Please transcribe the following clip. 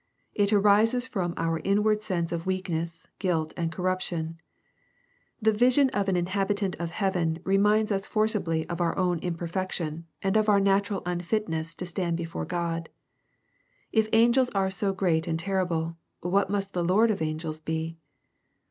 It arises from our inward sense of weakness, guilt, and corruption. The vision of an inhabitant of heaven reminds us forcibly of our own imperfection, and of our natural unfitness to stand be fore God. If angels are so great and terrible, what must the Lord of angels be